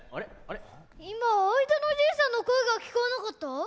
いまあいだのじいさんのこえがきこえなかった？